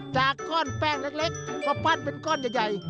จากก้อนแป้งเล็กมาปั้นเป็นก้อนใหญ่